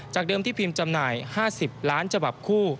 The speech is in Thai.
เดิมที่พิมพ์จำหน่าย๕๐ล้านฉบับคู่